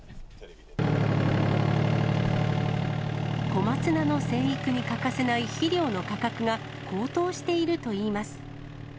小松菜の生育に欠かせない肥料の価格が高騰しているといいます。